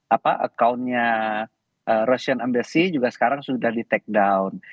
apa account nya russian embassy juga sekarang sudah di take down